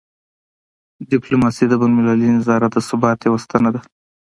ډیپلوماسي د بینالمللي نظام د ثبات یوه ستنه ده.